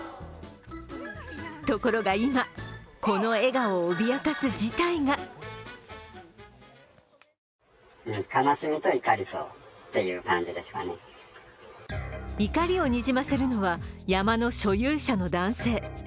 ところが今この笑顔を脅かす事態が怒りをにじませるのは山の所有者の男性。